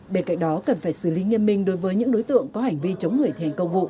bên cạnh đó cần phải xử lý nghiêm minh đối với những đối tượng có hành vi chống người thi hành công vụ